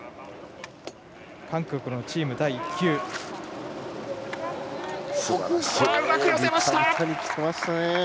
韓国のチーム第１球うまく寄せました！